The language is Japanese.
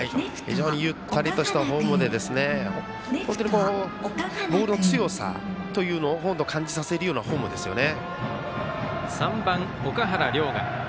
非常にゆったりとしたフォームで本当にボールの強さを感じさせるようなフォームですね。